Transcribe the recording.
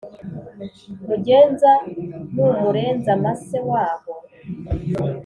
Mugenza numurenza mase waho!